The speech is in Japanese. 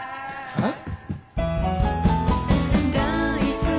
えっ？